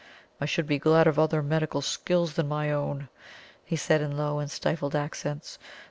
"I should be glad of other medical skill than my own," he said, in low and stifled accents.